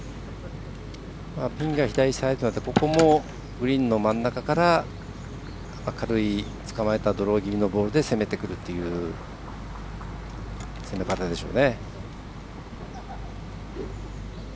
ピンが左サイドだとここもグリーンの真ん中から軽いつかまえたドロー気味のボールで攻めてくるという攻め方でしょう。